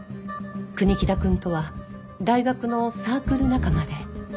国木田くんとは大学のサークル仲間で。